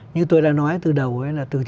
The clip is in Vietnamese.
như tôi đã nói từ đầu ấy là từ trước